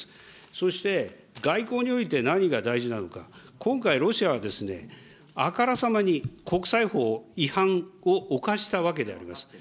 そして、外交において何が大事なのか、今回、ロシアはあからさまに国際法違反を犯したわけであります。